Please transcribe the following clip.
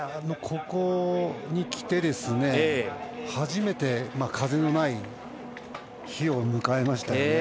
ここに来て初めて風のない日を迎えましたね。